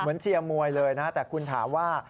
เชียร์มวยเลยนะแต่คุณถามว่า